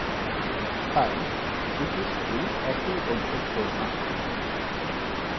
তাই, দুটি স্কুল একই অধ্যক্ষ ভাগ করে।